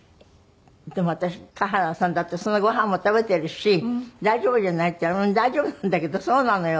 でも私「賀原さんだってそんなご飯も食べてるし大丈夫じゃない？」って言ったら「大丈夫なんだけどそうなのよ」